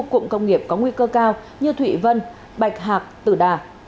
cụm công nghiệp có nguy cơ cao như thụy vân bạch hạc tử đà